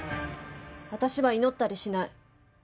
私は祈ったりしない。